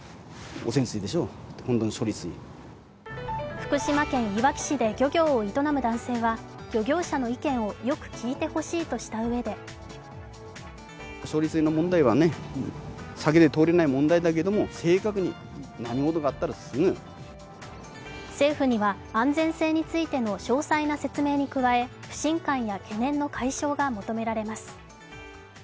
福島県いわき市で漁業を営む男性は漁業者の意見をよく聞いてほしいとしたうえで政府には安全性についての詳細な説明に加え不信感や懸念の解消が求められます。